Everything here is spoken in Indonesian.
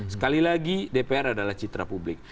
sekali lagi dpr adalah citra publik